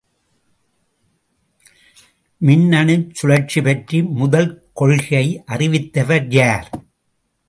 மின்னணுச் சுழற்சி பற்றி முதல் கொள்கையை அறிவித்தவர் யார்?